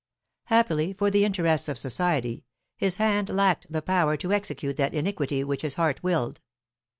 Happily for the interests of society, his hand lacked the power to execute that iniquity which his heart willed.